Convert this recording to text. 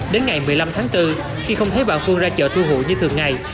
đến ngày một mươi năm tháng bốn khi không thấy bà phương ra chợ tru hụi như thường ngày